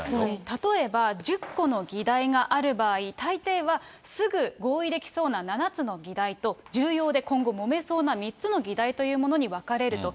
例えば１０個の議題がある場合、たいていはすぐ合意できそうな７つの議題と、重要で今後もめそうな３つの議題というものに分かれると。